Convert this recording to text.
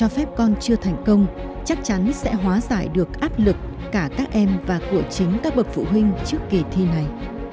không chắc chắn sẽ hóa giải được áp lực cả các em và của chính các bậc phụ huynh trước kỳ thi này